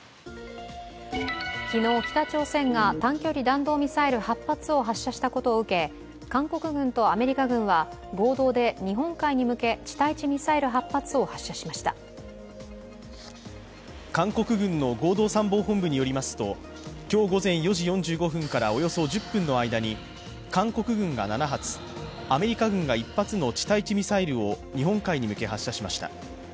昨日、北朝鮮が短距離弾道ミサイル８発を発射したことを受け、韓国軍とアメリカ軍は合同で日本海に向け地対地ミサイル８発を発射しました韓国軍の合同参謀本部によりますと、今日午前４時４５分からおよそ１０分の間に、韓国軍が７発アメリカ軍が１発の地対地ミサイルを日本海に向け、発射しました。